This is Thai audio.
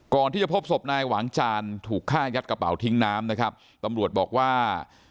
ก่อนที่จะพบศพนายหวังจานถูกฆ่ายัดกระเป๋าทิ้งน้ำนะครับตำรวจบอกว่า